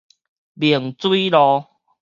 明水路